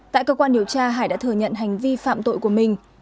tại cơ quan điều tra hải đã thừa nhận hành vi phạm tội của mình